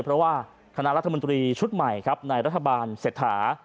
เพราะว่าคณะรัฐมนตรีชุดใหม่ครับในรัฐบาลเศรษฐา